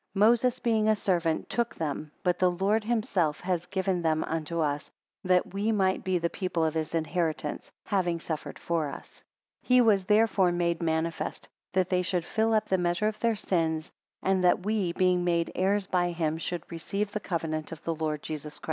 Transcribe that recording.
Moses, being a servant, took them; but the Lord himself has given them unto us, that we might be the people of his inheritance; having suffered for us. 17 He was therefore made manifest; that they should fill up the measure of their sins, and that we being made heirs by him, should receive the covenant of the Lord Jesus.